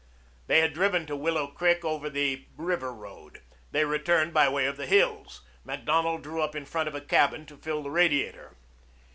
They had driven to Willow Creek over the river road. They returned by way of the hills. Macdonald drew up in front of a cabin to fill the radiator.